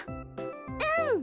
うん！